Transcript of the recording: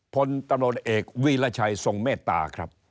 พลตรเอกวีระชัยสงมติตาครับ